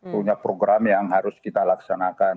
punya program yang harus kita laksanakan